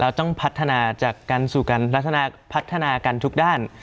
ต้องพัฒนาจากการสู่กันพัฒนากันทุกด้าน